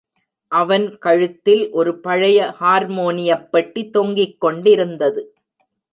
அவன் கழுத்தில் ஒரு பழைய ஹார்மோனியப் பெட்டி தொங்கிக் கொண்டிருந்தது.